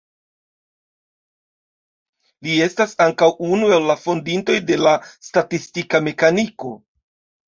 Li estas ankaŭ unu el la fondintoj de la statistika mekaniko.